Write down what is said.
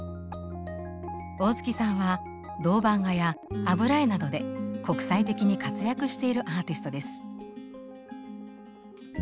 大月さんは銅版画や油絵などで国際的に活躍しているアーティストです。